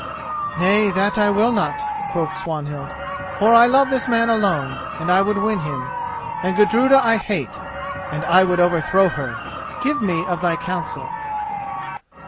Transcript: "Nay, that I will not," quoth Swanhild: "for I love this man alone, and I would win him; and Gudruda I hate, and I would overthrow her. Give me of thy counsel."